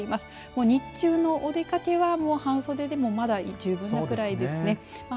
もう日中のお出かけは半袖でも、まだいけるくらいですね。